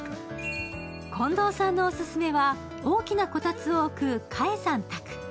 近藤さんのオススメは、大きなコタツをおくカエさん宅。